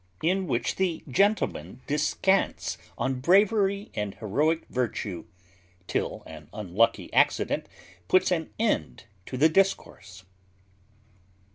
_In which the gentleman discants on bravery and heroic virtue, till an unlucky accident puts an end to the discourse.